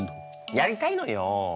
やりたいのよ！